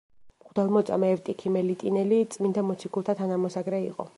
მღვდელმოწამე ევტიქი მელიტინელი წმინდა მოციქულთა თანამოსაგრე იყო.